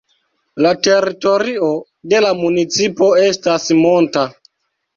La teritorio de la municipo estas monta.